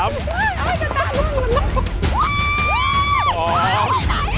หมดเวลา